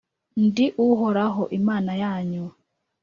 ndi Uhoraho, Imana yanyu,